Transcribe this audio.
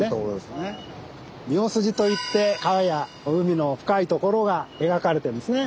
「澪筋」といって川や海の深いところが描かれてんですね。